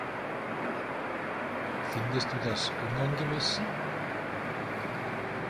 Findest du das unangemessen?